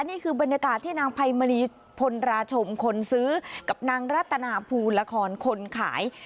นี่คือบรรยากาศที่นางไพมณีพลราชมคนซื้อกับนางรัตนาภูละครคนขาย